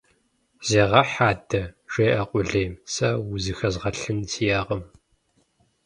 Зегъэхь адэ! - жеӀэ къулейм. - Сэ узыхэзгъэлъын сиӀэкъым.